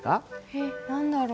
えっ何だろう？